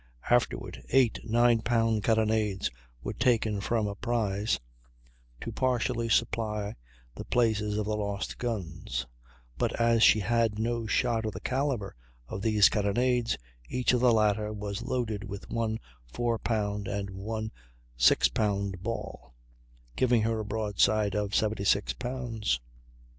Afterward eight 9 pound carronades were taken from a prize, to partially supply the places of the lost guns; but as she had no shot of the calibre of these carronades each of the latter was loaded with one 4 pound and one 6 pound ball, giving her a broadside of 76 lbs.